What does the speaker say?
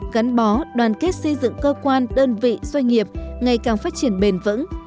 gắn bó đoàn kết xây dựng cơ quan đơn vị doanh nghiệp ngày càng phát triển bền vững